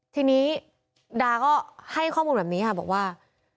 ทีนี้ดาก็ให้ข้อมูลแบบนี้ค่ะบอกว่า